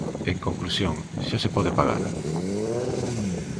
En conclusión, xa se pode pagar.